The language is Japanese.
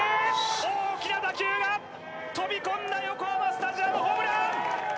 大きな打球が飛び込んだ、横浜スタジアム、ホームラン！